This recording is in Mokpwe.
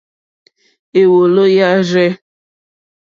Èwòló yâ rzɛ̂.